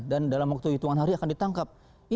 dan dalam waktu hitungan hari akan ditangkap